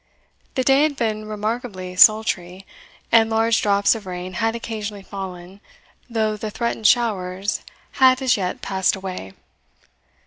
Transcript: The day had been remarkably sultry, and large drops of rain had occasionally fallen, though the threatened showers had as yet passed away.